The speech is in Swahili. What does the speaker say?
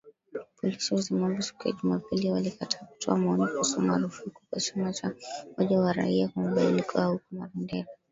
Polisi wa Zimbabwe, siku ya Jumapili walikataa kutoa maoni kuhusu marufuku kwa chama cha Umoja wa Raia kwa Mabadiliko huko Marondera